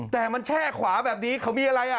แต่มันแช่ขวาแบบนี้เขามีอะไรอ่ะ